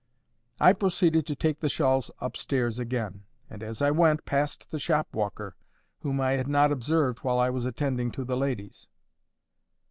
I proceeded to take the shawls up stairs again, and, as I went, passed the shop walker, whom I had not observed while I was attending to the ladies.